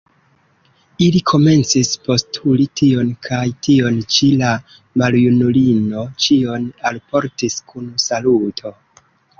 Ili komencis postuli tion kaj tion ĉi; la maljunulino ĉion alportis kun saluto.